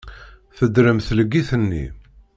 Tedrem tleggit-nni.